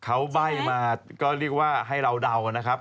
เขาใบ้มาก็เรียกว่าให้เราเดากันนะครับ